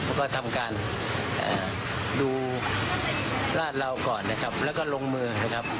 แล้วก็ทำการดูลาดเราก่อนนะครับแล้วก็ลงมือนะครับ